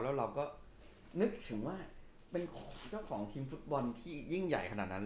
แล้วเราก็นึกถึงว่าเป็นของเจ้าของทีมฟุตบอลที่ยิ่งใหญ่ขนาดนั้น